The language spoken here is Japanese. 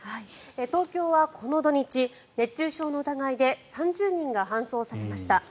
東京は、この土日熱中症の疑いで３０人が搬送されました。